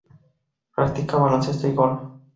Practica baloncesto y golf.